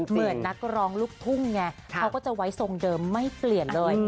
เหมือนนักร้องลูกทุ่งไงเขาก็จะไว้ทรงเดิมไม่เปลี่ยนเลย